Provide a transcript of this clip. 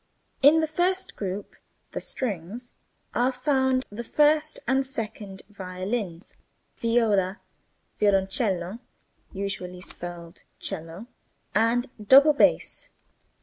In the first group (the strings) are found the first and second violins, viola, violoncello (usually spelled cello), and double bass.